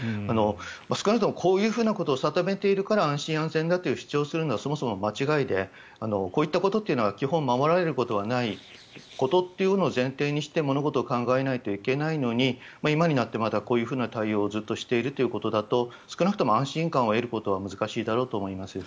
少なくともこういうことを定めているから安心安全だと主張するのはそもそも間違いでこういったことというのは基本、守られることはないというのを前提にして物事を考えないといけないのに今になってまだこういうふうな対応をずっとしているということだと少なくとも安心感を得ることは難しいだろうと思います。